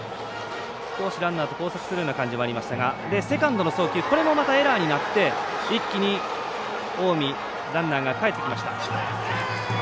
少しランナーと交錯する感じもありましたがセカンドの送球これもエラーになって一気に近江、ランナーがかえってきました。